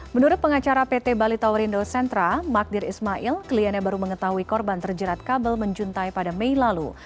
menurut pengacara pt bali towerindo sentra magdir ismail kliennya baru mengetahui korban terjerat kabel menjuntai pada mei lalu